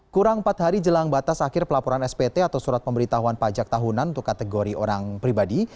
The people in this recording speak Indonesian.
kurang empat hari jelang batas akhir pelaporan spt atau surat pemberitahuan pajak tahunan untuk kategori orang pribadi